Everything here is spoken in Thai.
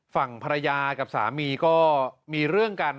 ฝั่งภรรยากับสามีก็มีเรื่องกัน